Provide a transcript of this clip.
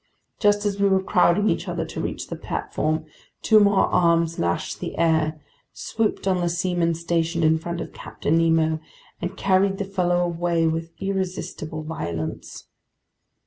Just as we were crowding each other to reach the platform, two more arms lashed the air, swooped on the seaman stationed in front of Captain Nemo, and carried the fellow away with irresistible violence.